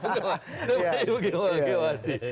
jadi ibu jokowi lagi mati